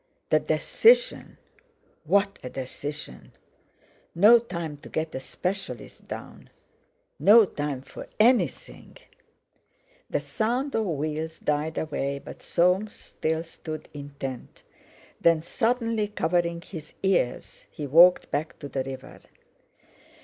The decision! What a decision! No time to get a specialist down! No time for anything! The sound of wheels died away, but Soames still stood intent; then, suddenly covering his ears, he walked back to the river.